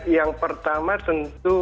yang pertama tentu